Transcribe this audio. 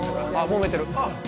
もめてる。